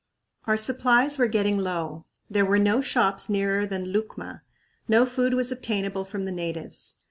Our supplies were getting low. There were no shops nearer than Lucma; no food was obtainable from the natives.